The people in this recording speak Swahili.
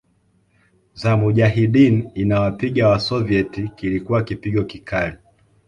za Mujahideen inawapiga Wasoviet Kilikuwa kipigo kikali